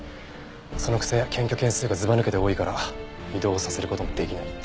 そのくせ検挙件数がずばぬけて多いから異動させる事もできないって。